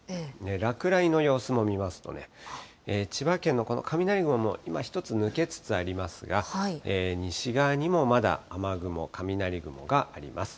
落雷の様子も見ますとね、千葉県のこの雷雲、今１つ抜けつつありますが、西側にもまだ雨雲、雷雲があります。